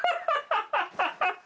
ハハハハ！